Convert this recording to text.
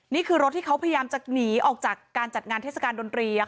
นี่คือรถที่เขาพยายามจะหนีออกจากการจัดงานเทศกาลดนตรี